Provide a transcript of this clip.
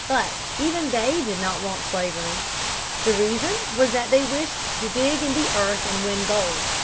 But even they did not want slavery. The reason was that they wished to dig in the earth and win gold.